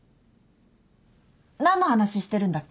何の話してるんだっけ？